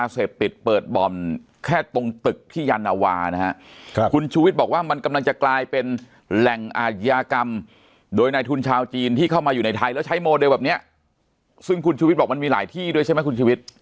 ซึ่งคุณชูวิทย์บอกว่ามันมีหลายที่ด้วยใช่ไหมคุณชูวิทย์